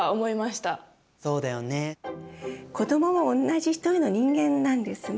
子どももおんなじ一人の人間なんですね。